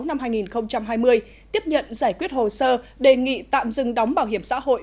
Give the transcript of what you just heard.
đến tháng sáu năm hai nghìn hai mươi tiếp nhận giải quyết hồ sơ đề nghị tạm dừng đóng bảo hiểm xã hội